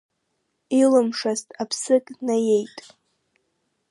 Илымшазт, аԥсык днаиеит.